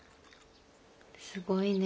すごいね。